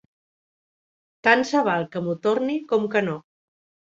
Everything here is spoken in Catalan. Tant se val que m'ho torni com que no.